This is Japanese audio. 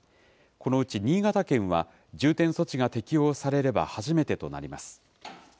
このうち新潟県は、重点措置が適用されれば初めてとなります。